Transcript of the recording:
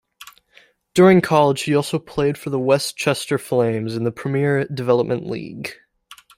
During college, he also played for the Westchester Flames in the Premier Development League.